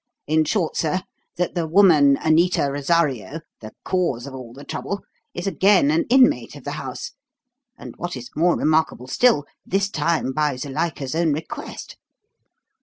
In short, sir, that the woman Anita Rosario, the cause of all the trouble, is again an inmate of the house; and what is more remarkable still, this time by Zuilika's own request."